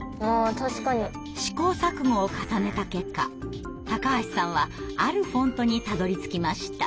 試行錯誤を重ねた結果橋さんはあるフォントにたどりつきました。